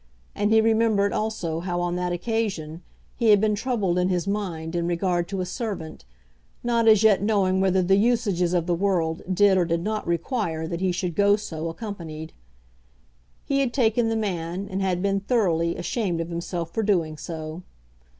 And he remembered also how on that occasion he had been troubled in his mind in regard to a servant, not as yet knowing whether the usages of the world did or did not require that he should go so accompanied. He had taken the man, and had been thoroughly ashamed of himself for doing so.